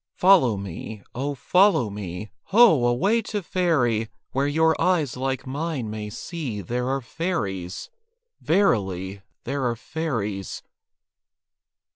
Follow me, oh, follow me! Ho! away to Faerie! Where your eyes like mine may see There are fairies. Verily, There are fairies.